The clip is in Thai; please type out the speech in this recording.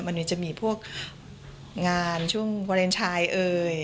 มันจะมีพวกงานช่วงเวอร์เอนไทย